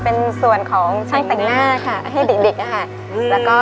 โอเค